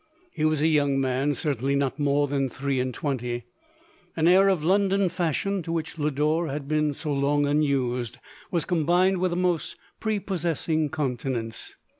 lie was a young man — certainly not more than three and twenty. An air of London fashion, to which Lodore had been so long unused, was combined with a most prepossessing coun tenance.